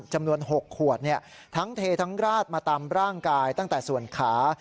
จำนวน๖ขวดทั้งเททั้งราดมาตามร่างกายตั้งแต่ส่วนขา